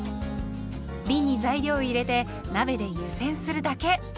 びんに材料を入れて鍋で湯煎するだけ。